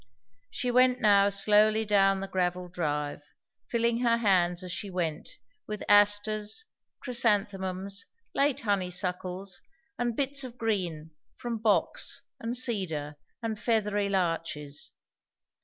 She went now slowly down the gravelled drive, filling her hands as she went with asters, chrysanthemums, late honeysuckles, and bits of green from box and cedar and feathery larches.